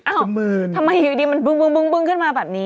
ทำไมอยู่ดีมันบึ้งขึ้นมาแบบนี้